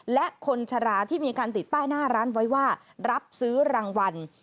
และคนชะลาที่มีการติดป้ายหน้าร้านไว้ว่ารับซื้อรางวัล